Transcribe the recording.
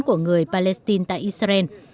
của người palestine tại israel